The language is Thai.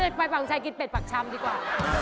ถ้าจะไปปากผงชัยกินเบ็ดปากชำดีกว่า